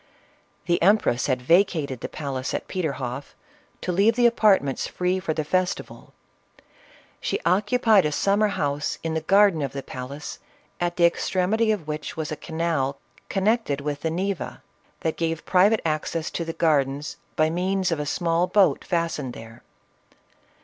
CATHERINE OF RUSSIA. 403 ' The empress had vacated the palace at Peterhoffj to leave the apartments free for the festival ; she occupied a summer house in the garden of the palace, at the ex tremity of which was a canal, connected with the Neva, that gave private access to the gardens, by means of a small boat fastened there.